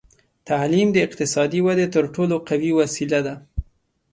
تعلیم د اقتصادي ودې تر ټولو قوي وسیله ده.